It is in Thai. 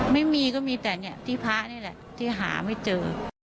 ไม่มีก็มีแต่ที่พระนี่แหละที่หาไม่เจอ